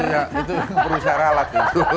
itu perusahaan alat